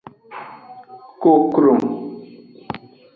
Cocron.